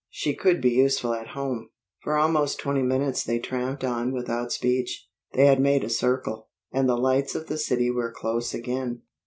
"She could be useful at home." For almost twenty minutes they tramped on without speech. They had made a circle, and the lights of the city were close again.